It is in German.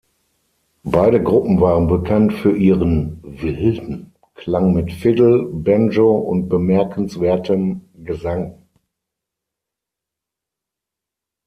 Beide Gruppen waren bekannt für ihren „wilden“ Klang mit Fiddle, Banjo und bemerkenswertem Gesang.